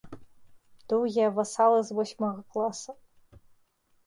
Доўгія васалы з восьмага класа.